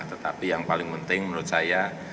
tetapi yang paling penting menurut saya